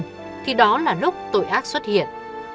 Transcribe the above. bởi sự ích kỷ cá nhân thì đó là lúc tội ác xuất hiện